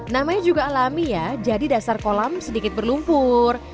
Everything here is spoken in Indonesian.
namanya juga alami ya jadi dasar kolam sedikit berlumpur